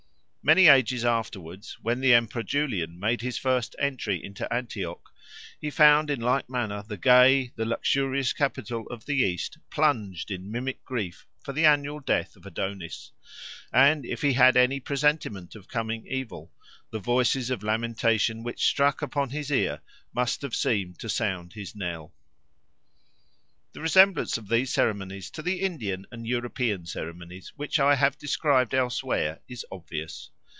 Many ages afterwards, when the Emperor Julian made his first entry into Antioch, he found in like manner the gay, the luxurious capital of the East plunged in mimic grief for the annual death of Adonis; and if he had any presentiment of coming evil, the voices of lamentation which struck upon his ear must have seemed to sound his knell. The resemblance of these ceremonies to the Indian and European ceremonies which I have described elsewhere is obvious.